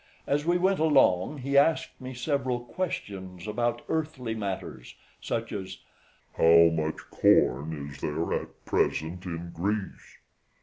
As we went along, he asked me several questions about earthly matters, such as, "How much corn is there at present in Greece?